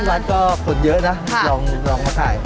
วัดก็คติเยอะนะครับลองมาขาย